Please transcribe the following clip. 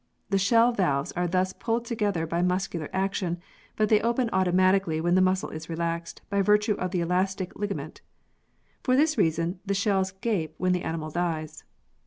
The shell valves are thus pulled together by muscular action, but they open automatically when the muscle is relaxed by virtue of the elastic liga ment. For this reason the shells gape when the animal dies.